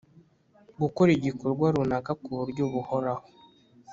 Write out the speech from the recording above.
gukora igikorwa runaka ku buryo buhoraho